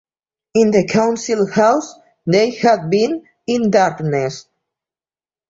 In the Council House they had been in darkness.